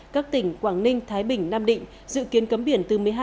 các tỉnh quảng ninh thái bình nam định dự kiến cấm biển từ một mươi hai h